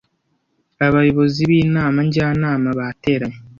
Abayobozi b'inama njyanama bateranye